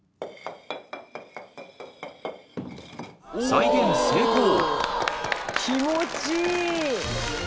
［再現成功！］